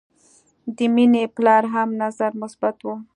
د مینې پلار هم نظر مثبت و